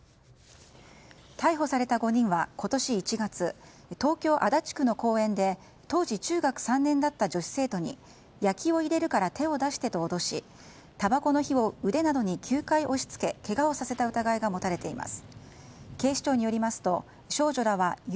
逮捕された５人は今年１月東京・足立区の公園で当時中学３年だった女子生徒に焼きを入れるから手を出してと脅したばこの火を腕などに９回押しつけけがをさせた疑いが持たれています。